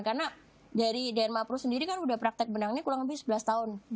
karena dari dianma pro sendiri kan udah praktek benangnya kurang lebih sebelas tahun